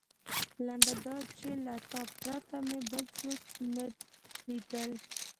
لنډه دا چې له تا پرته مې بل هېڅوک نه لیدل.